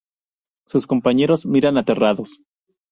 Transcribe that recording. Sus compañeros miran aterrados.